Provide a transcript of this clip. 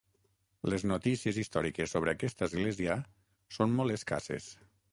Les notícies històriques sobre aquesta església són molt escasses.